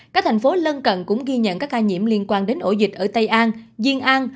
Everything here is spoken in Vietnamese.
các thành phố lân cận cũng ghi nhận các ca nhiễm liên quan đến ổ dịch ở tây an diên an